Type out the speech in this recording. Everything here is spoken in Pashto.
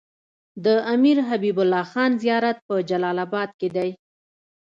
د امير حبيب الله خان زيارت په جلال اباد کی دی